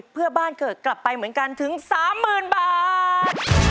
เพื่อบ้านเกิดกลับไปเหมือนกันถึง๓๐๐๐บาท